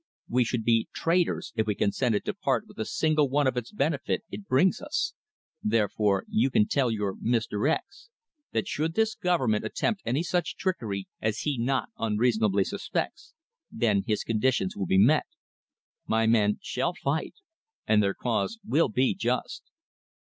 We should be traitors if we consented to part with a single one of the benefits it brings us. Therefore, you can tell Mr. X that should this Government attempt any such trickery as he not unreasonably suspects, then his conditions will be met. My men shall fight, and their cause will be just."